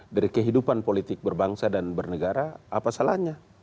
dari kehidupan politik berbangsa dan bernegara apa salahnya